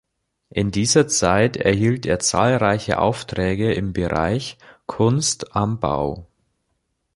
In dieser Zeit erhielt er zahlreiche Aufträge im Bereich "Kunst am Bau".